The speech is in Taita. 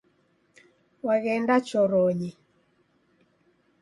Waghenda choronyi